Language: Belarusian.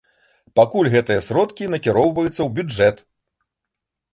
Пакуль гэтыя сродкі накіроўваюцца ў бюджэт.